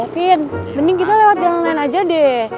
opa davin mending kita lewat jalan lain aja deh